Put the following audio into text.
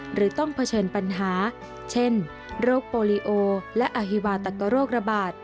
หรือต้องเผชิญปัญหาเช่นโรคโปรลิโอและอฮิวาตกโรคระบาด